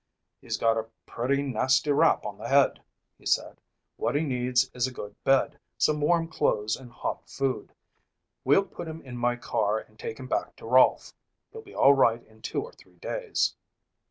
"He got a pretty nasty rap on the head," he said. "What he needs is a good bed, some warm clothes and hot food. We'll put him in my car and take him back to Rolfe. He'll be all right in two or three days."